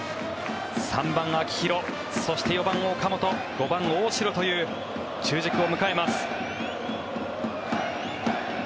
３番、秋広そして４番、岡本５番、大城という中軸を迎えます。